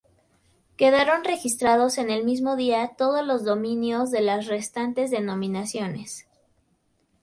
Quedaron registrados en el mismo día todos los dominios de las restantes denominaciones.